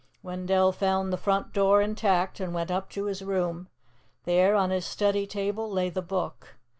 Wendell found the front door intact, and went up to his room. There on his study table lay the Book.